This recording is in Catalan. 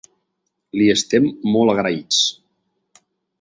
Li estem molt agraïts!